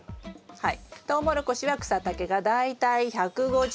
はい。